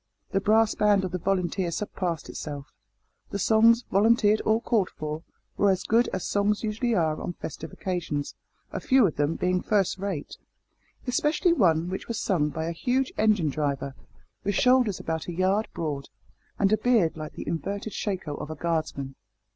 The brass band of the volunteers surpassed itself. The songs volunteered or called for were as good as songs usually are on festive occasions, a few of them being first rate, especially one which was sung by a huge engine driver, with shoulders about a yard broad, and a beard like the inverted shako of a guardsman.